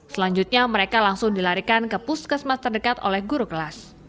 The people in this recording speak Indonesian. selanjutnya mereka langsung dilarikan ke puskesmas terdekat oleh guru kelas